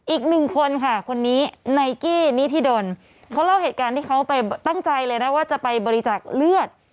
อีกหนึ่งคนค่ะคนนี้ไนกี้นิธิดลเขาเล่าเหตุการณ์ที่เขาไปตั้งใจเลยนะว่าจะไปบริจักษ์เลือด